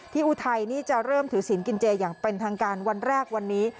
อุทัยนี่จะเริ่มถือศีลกินเจอย่างเป็นทางการวันแรกวันนี้